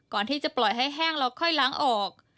ก่อนที่จะปล่อยให้แห้งแล้วค่อยล้างออก